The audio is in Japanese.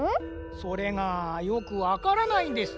それがよくわからないんです。